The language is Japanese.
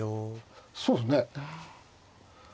そうですね。